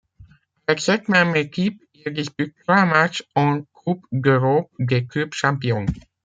Avec cette même équipe, il dispute trois matchs en Coupe d'Europe des clubs champions.